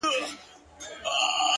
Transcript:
يوه څړيکه هوارې ته ولاړه ده حيرانه _